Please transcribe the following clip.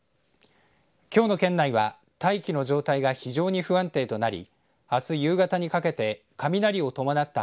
きょうの県内は大気の状態が非常に不安定となりあす夕方にかけて雷を伴った